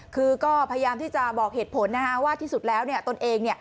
ก็พยายามที่จะบอกเหตุผลว่าที่สุดแล้วตนเอง